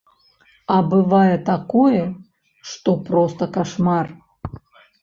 А бывае такое, што проста кашмар.